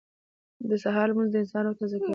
• د سهار لمونځ د انسان روح تازه کوي.